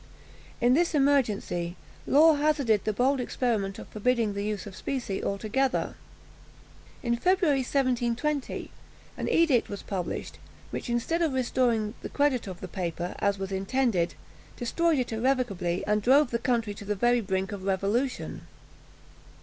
In this emergency, Law hazarded the bold experiment of forbidding the use of specie altogether. In February 1720 an edict was published, which, instead of restoring the credit of the paper, as was intended, destroyed it irrecoverably, and drove the country to the very brink of revolution.